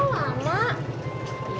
pak kok lama